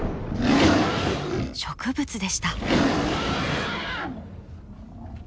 植物でした。